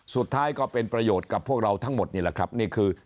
สุดท้ายก็เป็นประโยชน์กับพวกเราทั้งหมดนี่แหละครับนี่คือ